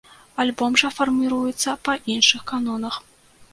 Альбом жа фарміруецца па іншых канонах.